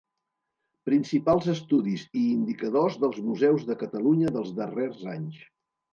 Principals estudis i indicadors dels museus de Catalunya dels darrers anys.